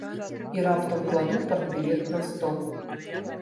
І раптам кладу партбілет на стол.